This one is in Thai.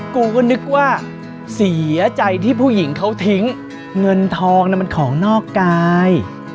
กูก็นึกว่าเสียใจที่ผู้หญิงเขาทิ้งเงินทองมันของนอกกาย